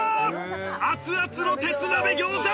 熱々の鉄鍋餃子。